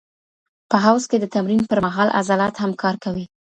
په حوض کې د تمرین پر مهال عضلات هم کار کوي.